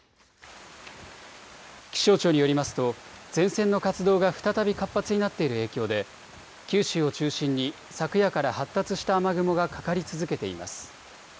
気象庁によりますと前線の活動が再び活発になっている影響で九州を中心に昨夜から発達した雨雲がかかり続けています。